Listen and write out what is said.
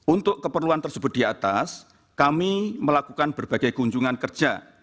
untuk keperluan tersebut di atas kami melakukan berbagai kunjungan kerja